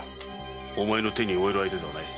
お前の手におえる相手ではない。